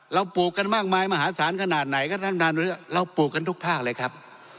ปลูกกันมากมายมหาศาลขนาดไหนครับท่านท่านเราปลูกกันทุกภาคเลยครับ